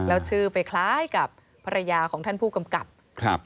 แล้วชื่อมันเป็นพี่ภูมิกลับอาวุธ